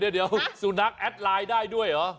เดี๋ยวสุนั๊กแอดไลน์ได้หรือ